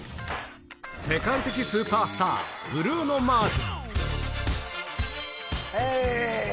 世界的スーパースター、ブルーノ・マーズ。